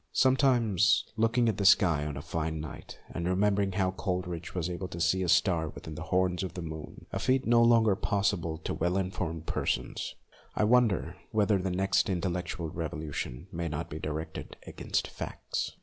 Sometimes, looking at the sky on a fine night, and remembering how Coleridge was able to see a star within the horns of the 48 MONOLOGUES moon, a feat no longer possible to well in formed persons, I wonder whether the next intellectual revolution may not be directed against facts.